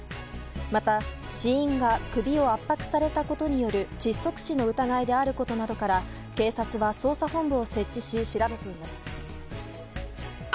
また、死因が首を圧迫されたことによる窒息死の疑いであることなどから警察は、捜査本部を設置し調べています。